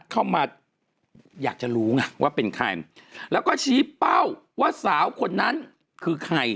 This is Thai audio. เข้ามาอยากจะรู้ไงว่าเป็นใครแล้วก็ชี้เป้าว่าสาวคนนั้นคือใคร